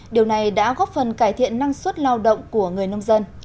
điều này đã góp phần cải thiện năng suất lao động của người nông dân